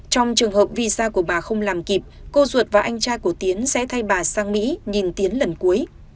trong trường hợp visa của bà không làm kịp cô ruột và anh trai của tiến sẽ thay bà sang mỹ nhìn tiến lần cuối